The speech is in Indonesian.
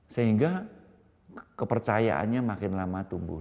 sehingga kepercayaannya makin lama tumbuh